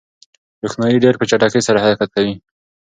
روښنايي ډېر په چټکۍ سره حرکت کوي.